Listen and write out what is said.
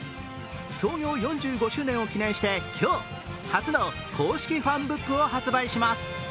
創業４５周年を記念して今日、初の公式ファンブックを発売します。